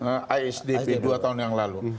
nah isdp dua tahun yang lalu